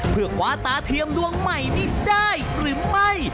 เพื่อคว้าตาเทียมดวงใหม่นี้ได้หรือไม่